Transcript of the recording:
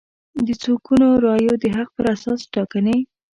د څو ګونو رایو د حق پر اساس ټاکنې